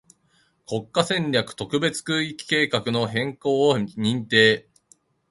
国家戦略特別区域計画の変更を認定